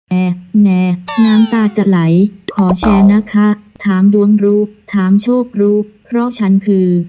แอร์น้ำตาจะไหลขอแชร์นะคะถามดวงรู้ถามโชครู้เพราะฉันคือ